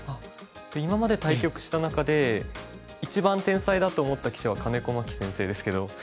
今まで対局した中で一番天才だと思った棋士は金子真季先生ですけど。